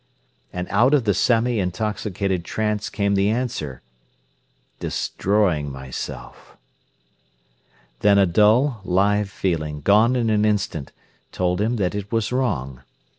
And out of the semi intoxicated trance came the answer: "Destroying myself." Then a dull, live feeling, gone in an instant, told him that it was wrong.